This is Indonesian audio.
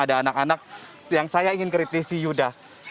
ada anak anak yang saya ingin kritisi yuda